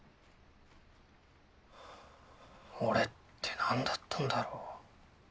俺ってなんだったんだろ。